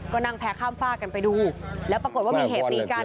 ก็นั่งแพ้ข้ามฝากกันไปดูแล้วปรากฏว่ามีเหตุตีกัน